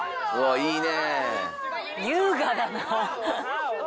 いいね。